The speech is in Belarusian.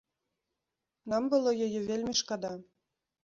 Нам было яе вельмі шкада.